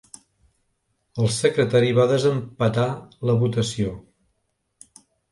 El secretari va desempatar la votació.